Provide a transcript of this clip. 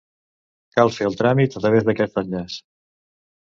Cal fer el tràmit a través d'aquest enllaç.